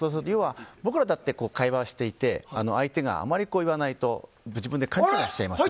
僕らだって会話をしていて相手があまり言わないと自分で勘違いしちゃいますよね。